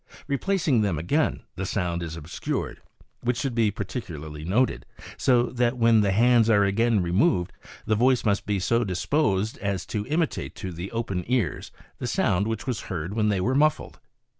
Replacing them again, the sound AND VOCAL ILLUSIONS 25 is obscured, which should be particularly noted, so that when the hands be again removed the voice must be so disposed as to imi tate to the open ears the sound which was heard when they were muffled.